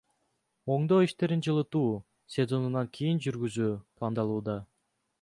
Оңдоо иштерин жылытуу сезонунан кийин жүргүзүү пландалууда.